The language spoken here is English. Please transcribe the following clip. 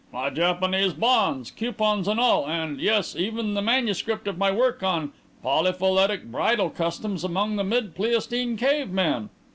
"My Japanese bonds, coupons and all, and yes, even the manuscript of my work on 'Polyphyletic Bridal Customs among the mid Pleistocene Cave Men.'